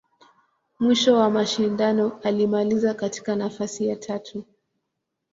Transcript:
Mwisho wa mashindano, alimaliza katika nafasi ya tatu.